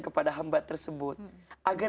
kepada hamba tersebut agar